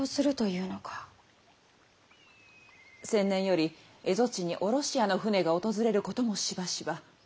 先年より蝦夷地にヲロシアの船が訪れることもしばしば。